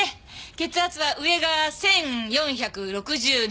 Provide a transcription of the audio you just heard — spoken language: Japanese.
血圧は上が１４６７。